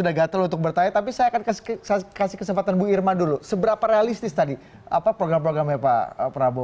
untuk programnya pak prabowo